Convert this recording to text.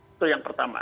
itu yang pertama